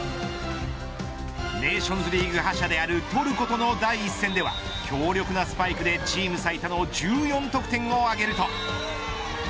ネーションズリーグ覇者であるトルコとの第１戦では強力なスパイクでチーム最多の１４得点を挙げると。